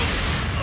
あ！